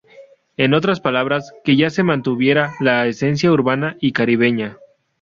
En otras palabras, que se mantuviera la esencia urbana y caribeña.